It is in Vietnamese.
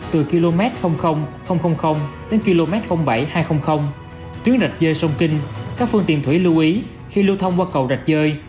từ km đến km bảy hai trăm linh tuyến rạch dê sông kinh các phương tiện thủy lưu ý khi lưu thông qua cầu rạch dơi